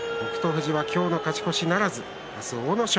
富士は今日の勝ち越しならず明日は阿武咲。